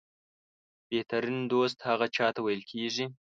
بهترینه دوست هغه چاته ویل کېږي